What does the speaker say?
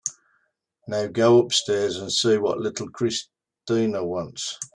Now go upstairs and see what little Christina wants.